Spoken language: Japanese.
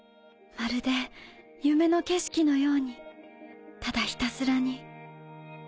まるで夢の景色のようにただひたすらに。